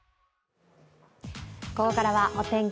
ここからはお天気